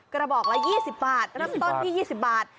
กระบอกละ๒๐บาทเริ่มต้นที่๒๐บาท